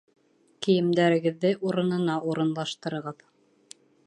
Кейемдәрегеҙҙе урынына урынлаштырығыҙ.